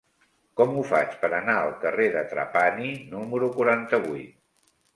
Com ho faig per anar al carrer de Trapani número quaranta-vuit?